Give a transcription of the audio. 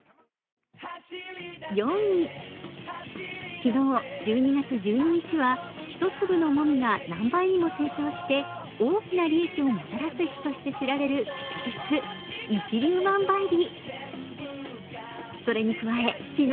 ４位、昨日１２月１２日は１粒のもみが何倍にも成長して大きな利益をもたらす日として知られる吉日、一粒万倍日。